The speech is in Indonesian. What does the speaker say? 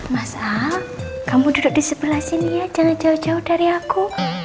masa kamu duduk di sebelah sini ya jangan jauh jauh dari aku